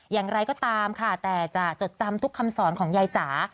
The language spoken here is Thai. อย่างไรก็ตามค่ะแต่จะจดจำทุกคำสอนของยายจ๋า